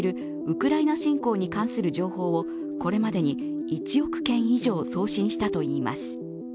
ウクライナ侵攻に関する情報をこれまでに１億件以上送信したといいます。